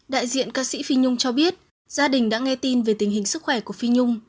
đại diện ca sĩ phi nhung cho biết gia đình đã nghe tin về tình hình sức khỏe của phi nhung